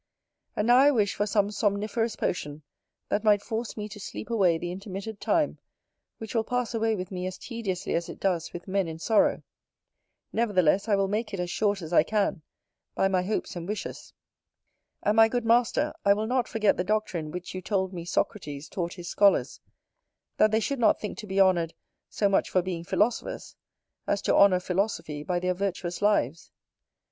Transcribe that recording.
And now I wish for some somniferous potion, that might force me to sleep away the intermitted time, which will pass away with me as tediously as it does with men in sorrow; nevertheless I will make it as short as I can, by my hopes and wishes: and, my good Master, I will not forget the doctrine which you told me Socrates taught his scholars, that they should not think to be honoured so much for being philosophers, as to honour philosophy by their virtuous lives.